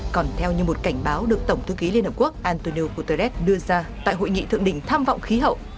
còn theo như một cảnh báo được tổng thư ký liên hợp quốc antonio guterres đưa ra tại hội nghị thượng đỉnh tham vọng khí hậu